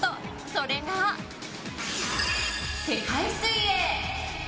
それが、世界水泳！